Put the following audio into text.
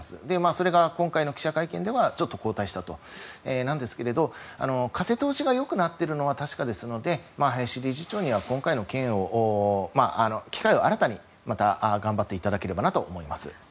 それが今回の記者会見では後退したということですが風通しが良くなっているのは確かですので林理事長には機会を新たにまた頑張っていただければと思います。